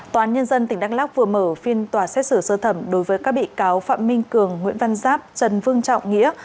tòa án nhân dân tỉnh đắk lóc vừa mở phiên tòa xét xử sơ thẩm đối với các bị cáo phạm minh cường nguyễn văn giáp trần vương trọng nghĩa